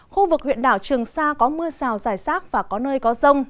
khu vực huyện đảo trường sa có mưa rào dài sát và có nơi có rông